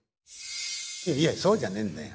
「いやそうじゃねえんだよ。